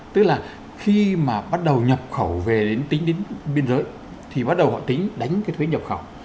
tức là khi mà bắt đầu nhập khẩu về tính đến biên giới thì bắt đầu họ tính đánh cái thuế nhập khẩu